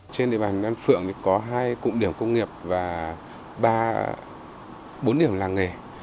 trên địa bàn đan phượng có hai cụm điểm công nghiệp và ba bốn điểm làng nghề